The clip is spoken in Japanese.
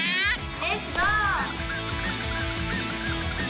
レッツゴー！